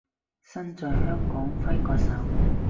身在香港揮個手